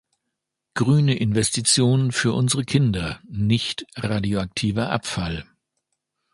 Grüne Investitionen für unsere Kinder, nicht radioaktiver Abfall!